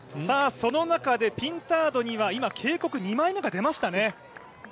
その中でピンタードには今、警告２枚目が出ましたね。